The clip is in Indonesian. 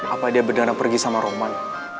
apa dia beneran pergi sama roman